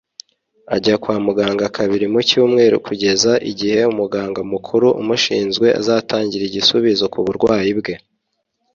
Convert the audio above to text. Ajya kwa muganga kabiri mu cyumweru kugeza igihe umuganga mukuru umushinzwe azatangira igisubizo ku burwayi bwe